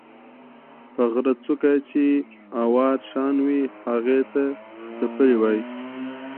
د غرۀ څُوكه چې اواره شان وي هغې ته څپرے وائي۔